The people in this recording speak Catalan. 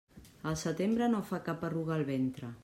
Al setembre, no fa cap arruga el ventre.